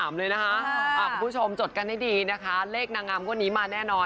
มาต่อหน่อยดีกว่าน